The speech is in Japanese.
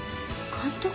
監督？